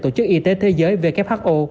tổ chức y tế thế giới who